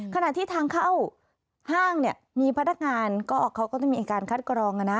ขนาดที่ทางเข้าห้างเนี่ยมีพันธการก็ออกเขาก็ต้องมีการคัดกรองนะ